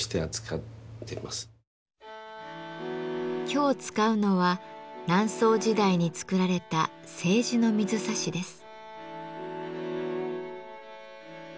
今日使うのは南宋時代に作られた青磁の水指です。